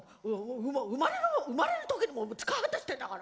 生ま生まれる生まれる時にもう使い果たしてんだから。